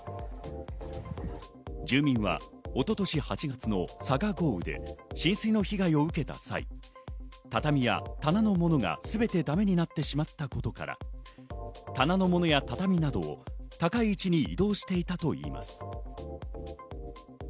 住民は一昨年８月の佐賀豪雨で浸水の被害を受けた際、畳や棚のものが、すべてだめになってしまったことから、棚のものや畳などを高い位置に移動していたといいます。